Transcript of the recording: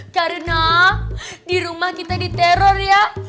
karena di rumah kita diteror ya